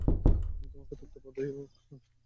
আমি তোমাদের তত্ত্বাবধায়ক নই।